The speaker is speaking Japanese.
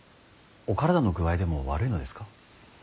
お体の具合でも悪いのですか。